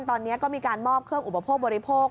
ตอนนี้ก็มีการมอบเครื่องอุปโภคบริโภค